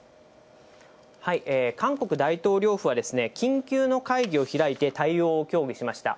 韓国大統領府は、緊急の会議を開いて対応を協議しました。